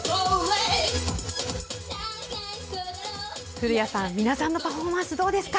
古谷さん、皆さんのパフォーマンスどうですか？